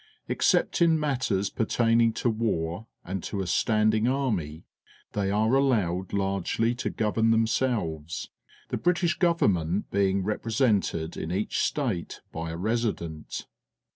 Except in matters pertaining to war and to a stand ing army, they are allowed Jargely to govetn themselves, the British Government being represented in each state by a Resident.